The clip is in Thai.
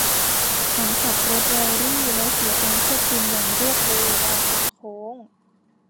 ฉันขับรถแรลลี่ และเสียการควบคุมอย่างรวดเร็วตอนทางโค้ง